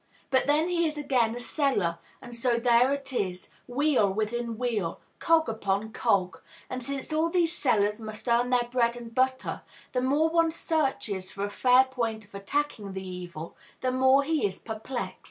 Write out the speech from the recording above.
But then he is again a seller; and so there it is, wheel within wheel, cog upon cog. And, since all these sellers must earn their bread and butter, the more one searches for a fair point of attacking the evil, the more he is perplexed.